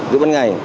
giữa bắt ngày